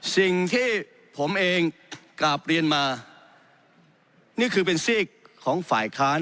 สิ่งที่ผมเองกราบเรียนมานี่คือเป็นซีกของฝ่ายค้าน